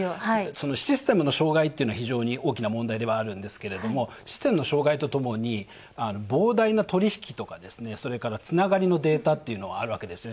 システムの障害というのは非常に大きな問題ではあるんですけどシステムの障害とともに膨大な取引とかそれから、つながりのデータっていうのがあるわけですね。